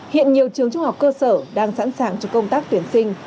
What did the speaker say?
hiện nhiều trường trung học cơ sở đang sẵn sàng cho công tác tuyển sinh